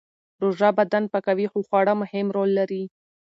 روژه بدن پاکوي خو خواړه مهم رول لري.